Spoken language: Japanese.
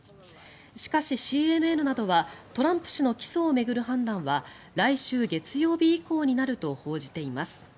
しかし、ＣＮＮなどはトランプ氏の起訴を巡る判断は来週月曜日以降になると報じています。